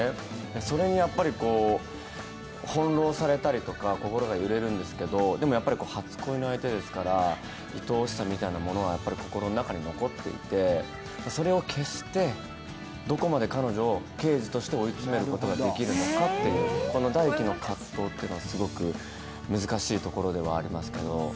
それにやっぱり翻弄されたり心が揺れるんですけど、初恋の相手ですからいとおしさみたいなものは心の中に残っていてそれを消してどこまで彼女を刑事として追い詰めることができるのかっていうこの大輝の葛藤というのがすごく難しいところではありますけど。